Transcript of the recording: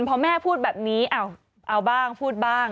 พอแม่พูดแบบนี้เอาบ้างพูดบ้าง